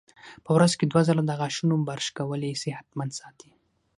په ورځ کې دوه ځله د غاښونو برش کول یې صحتمند ساتي.